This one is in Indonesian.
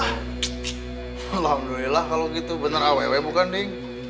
alhamdulillah kalau gitu bener aww bukan ding